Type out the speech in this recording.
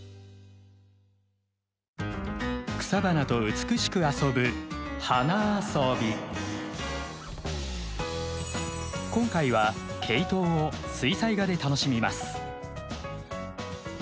草花と美しく遊ぶ今回はケイトウを水彩画で楽しみます。